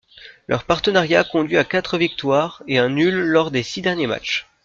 Leur partenariat conduit à quatre victoires et un nul lors des six derniers matchs.